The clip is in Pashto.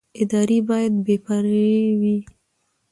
ادارې باید بې پرې وي